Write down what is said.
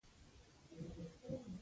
نو تشه وینا د عمل مانا نه ورکوي.